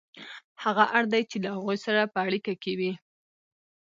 هغه اړ دی چې له هغوی سره په اړیکه کې وي